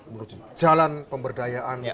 menuju jalan pemberdayaanmu